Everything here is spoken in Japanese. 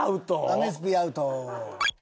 アメスピーアウト。